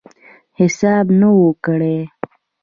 حساب نه وو کړی.